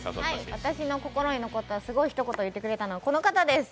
私の心に残ったすごい一言を言ってくれたのはこの方です。